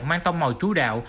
mang tông màu chú đạo